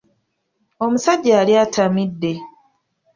Omusajja yali atamidde